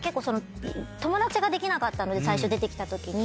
友達ができなかったので最初出てきたときに。